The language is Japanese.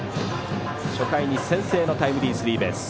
初回に先制のタイムリースリーベース。